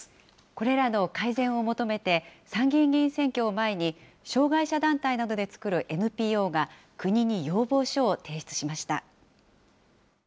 これらの改善を求めて、参議院議員選挙を前に、障害者団体などで作るＮＰＯが、国に要望書を提出しました。